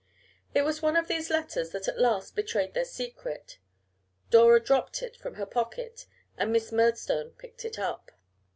It was one of these letters that at last betrayed their secret. Dora dropped it from her pocket and Miss Murdstone picked it up.